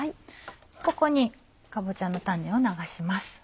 ここにかぼちゃのタネを流します。